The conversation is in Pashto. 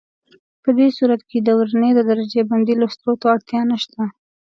په دې صورت کې د ورنيې د درجه بندۍ لوستلو ته اړتیا نشته.